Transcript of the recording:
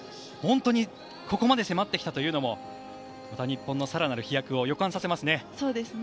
本当にここまで迫ってきたというのも日本のさらなる飛躍を予感させますね。